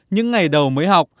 những ngày đầu mới học